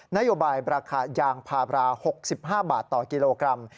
นโยบายราคายางพาบรา๖๕บาทต่อกิโลกรัม